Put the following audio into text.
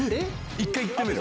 １回いってみる？